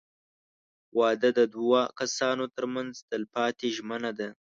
• واده د دوه کسانو تر منځ تلپاتې ژمنه ده.